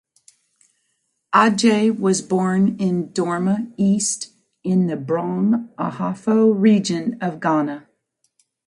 Adjei was born in Dorma East in the Brong Ahafo Region of Ghana.